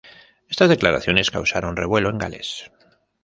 Estas declaraciones causaron revuelo en Gales.